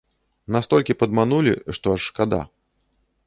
Настолькі падманулі, што аж шкада.